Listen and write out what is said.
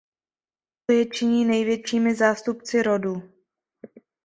To je činí největšími zástupci rodu.